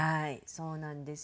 そうなんですよ。